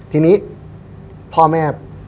ทีนี้พ่อแม่